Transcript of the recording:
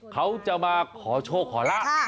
เขาจะมาขอโชคขอลาบ